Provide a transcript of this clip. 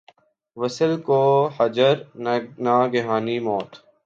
وصل کو ہجر ، ناگہانی موت